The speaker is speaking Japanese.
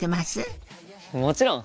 もちろん！